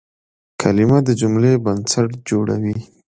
کلیمه د جملې بنسټ جوړوي.